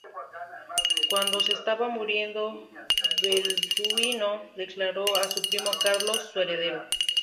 Cuando se estaba muriendo, Balduino declaró a su primo Carlos su heredero.